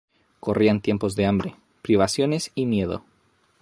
Corrían tiempos de hambre, privaciones y miedo.